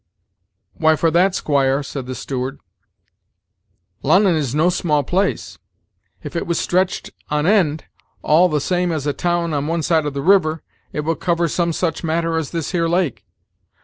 "Why, for that, squire," said the steward, "Lon'on is no small place. If it was stretched an end, all the same as a town on one side of the river, it would cover some such matter as this here lake.